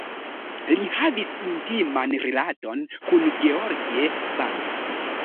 Li havis intiman rilaton kun George Sand.